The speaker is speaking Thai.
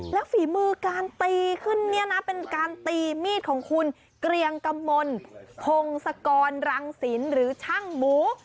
แล้วฝีมือการตีขึ้นเนี่ยนะเป็นการตีมีดของคุณเกรียงกำมลพงศกรรังศิลป์หรือช่างหมู